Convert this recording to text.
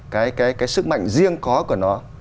cái sức mạnh riêng có của nó